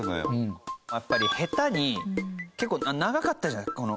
やっぱりヘタに結構長かったじゃないこの。